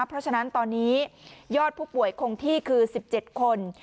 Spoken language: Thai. เพราะฉะนั้นตอนนี้ยอดผู้ป่วยคงที่คือ๑๗คน